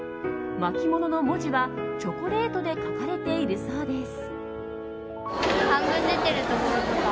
巻物の文字はチョコレートで書かれているそうです。